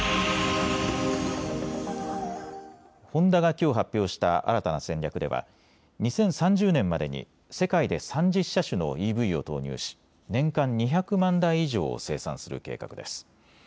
ホンダがきょう発表した新たな戦略では２０３０年までに世界で３０車種のＥＶを投入し年間２００万台以上を生産する計画です。